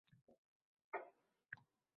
Vijdon yonida